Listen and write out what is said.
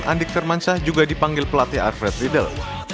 andik firmansyah juga dipanggil pelatih alfred riedel